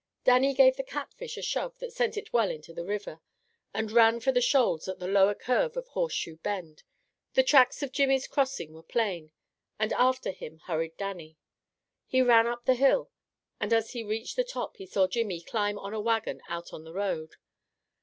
Dannie gave the catfish a shove that sent it well into the river, and ran for the shoals at the lower curve of Horseshoe Bend. The tracks of Jimmy's crossing were plain, and after him hurried Dannie. He ran up the hill, and as he reached the top he saw Jimmy climb on a wagon out on the road.